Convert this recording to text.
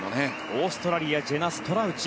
オーストラリアジェナ・ストラウチ。